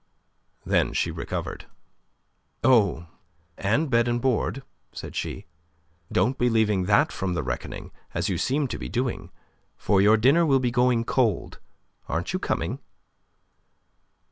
Then she recovered. "Oh, and bed and board," said she. "Don't be leaving that from the reckoning, as you seem to be doing; for your dinner will be going cold. Aren't you coming?"